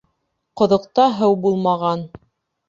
Ҡоҙоҡта һыу булмаған.